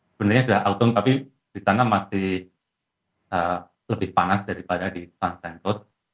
sebenarnya sudah autone tapi di sana masih lebih panas daripada di sansen cost